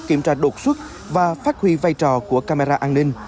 kiểm tra đột xuất và phát huy vai trò của camera an ninh